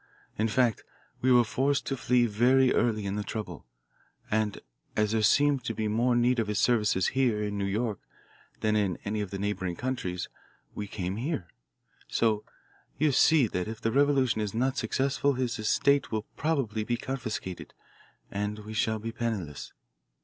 In fact, we were forced to flee very early in the trouble, and as there seemed to be more need of his services here in New York than in any of the neighbouring countries, we came here. So you see that if the revolution is not successful his estate will probably be confiscated and we shall be penniless.